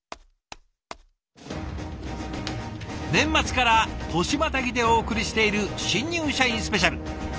年末から年またぎでお送りしている「新入社員スペシャル」。